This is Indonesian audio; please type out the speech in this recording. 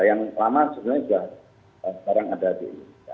yang lama sebenarnya sudah sekarang ada di indonesia